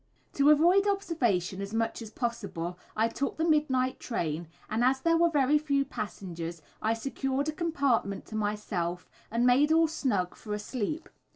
To avoid observation as much as possible, I took the midnight train, and as there were very few passengers I secured a compartment to myself, and made all snug for a sleep.